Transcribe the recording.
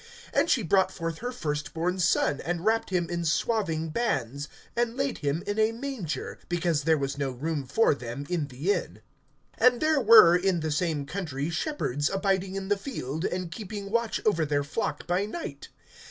(7)And she brought forth her first born son, and wrapped him in swathing bands, and laid him in a manger; because there was no room for them in the inn. (8)And there were in the same country shepherds abiding in the field, and keeping watch over their flock by night.